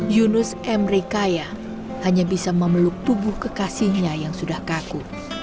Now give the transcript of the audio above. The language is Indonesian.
yunus m rekaya hanya bisa memeluk tubuh kekasihnya yang sudah kaku